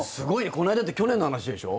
この間って去年の話でしょ？